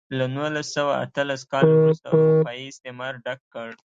له نولس سوه اتلس کال وروسته اروپايي استعمار ډک کړ.